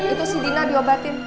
itu si dina diobatin